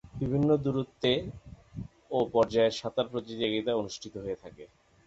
বিভিন্ন দূরত্বে ও পর্যায়ের সাঁতার প্রতিযোগিতা অনুষ্ঠিত হয়ে থাকে।